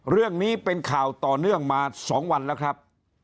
เรื่องนี้เป็นข่าวต่อเนื่องมา๒วันแล้วครับ